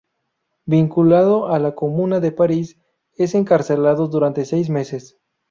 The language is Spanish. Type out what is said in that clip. Vinculado a la Comuna de París, es encarcelado durante seis meses.